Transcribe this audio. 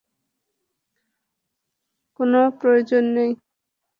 কোন প্রয়োজন নেই।